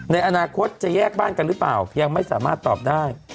ในอนาคตจะแยกบ้านกันหรือเปล่ายังไม่สามารถตอบได้